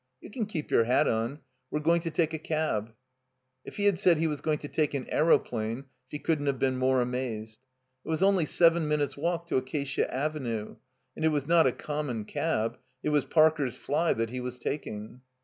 "You can keep your hat on. We're going to take a cab." If he had said he was going to take an aeroplane she couldn't have been more amazed. It was only seven minutes' walk to Acacia Avenue. And it was not a common cab, it was Parker's fly that he was taking.